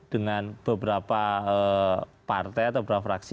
dengan beberapa partai atau beberapa fraksi